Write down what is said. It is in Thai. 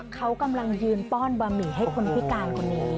เขากำลังยืนป้อนบะหมี่ให้คนพิการคนนี้